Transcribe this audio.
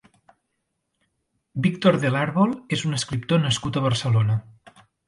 Víctor del Árbol és un escriptor nascut a Barcelona.